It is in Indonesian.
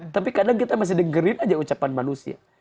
tapi kadang kita masih dengerin aja ucapan manusia